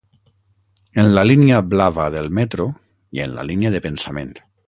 En la línia blava del metro i en la línia de pensament.